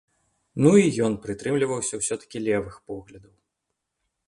Ну і ён прытрымліваўся ўсё-такі левых поглядаў.